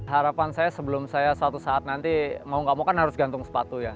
harapan saya sebelum saya suatu saat nanti mau gak mau kan harus gantung sepatu ya